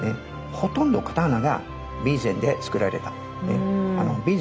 ほとんど刀は備前で作られたね。